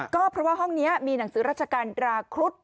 ก็เพราะว่าห้องนี้มีหนังสือราชการดราครุฑ